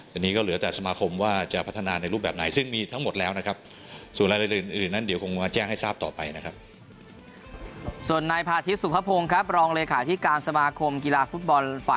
อันนี้ก็เหลือแต่สมาคมว่าจะพัฒนาในรูปแบบไหนซึ่งมีทั้งหมดแล้วนะครับ